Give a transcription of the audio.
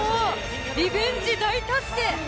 リベンジ大達成。